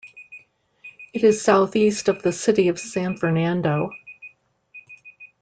It is southeast of the City of San Fernando.